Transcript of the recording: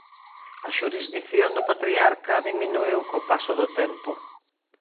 A xurisdición do patriarca diminuíu co paso do tempo.